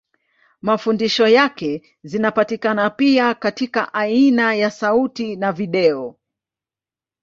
Mafundisho yake zinapatikana pia katika aina ya sauti na video.